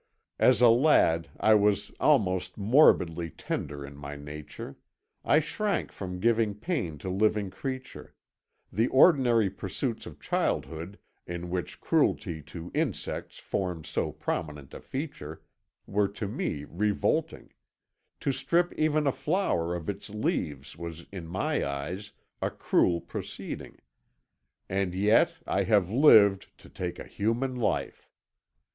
"As a lad I was almost morbidly tender in my nature; I shrank from giving pain to living creature; the ordinary pursuits of childhood, in which cruelty to insects forms so prominent a feature, were to me revolting; to strip even a flower of its leaves was in my eyes a cruel proceeding. And yet I have lived to take a human life.